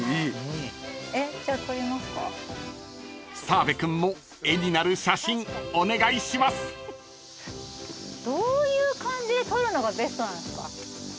［澤部君も絵になる写真お願いします］どういう感じで撮るのがベストなんですか？